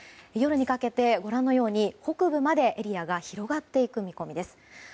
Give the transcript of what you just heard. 夜にかけてご覧のように北部までエリアが広がっていく見込みです。